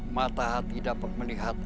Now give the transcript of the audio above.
mata hati dapat melihat